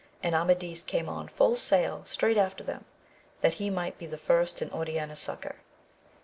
And Amadis came on full sail straight after them, that he might be the first in Oriana's succour.